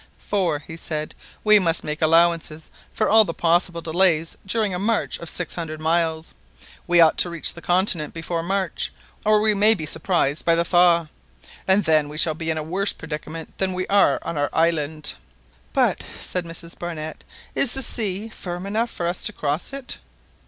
"For," he said, "we must make allowance for all the possible delays during a march of six hundred miles. We ought to reach the continent before March, or we may be surprised by the thaw, and then we shall be in a worse predicament than we are on our island." "But," said Mrs Barnett, "is the sea firm enough for us to cross it?"